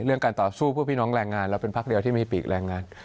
เรื่องการต่อสู้พวกพี่น้องแรงงานเราเป็นภักดิ์เดียวที่ไม่มีปีกแรงงาน